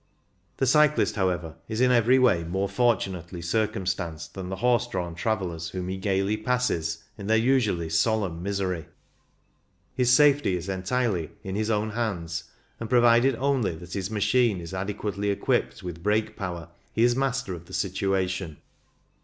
The cyclist, however, is in every way more fortunately circumstanced than the horse drawn travellers whom he gaily passes in I90 CYCLING IN THE ALPS their usually solemn misery. His safety is entirely in his own hands, and provided only that his machine is adequately equipped with brake power, he is master of the situation.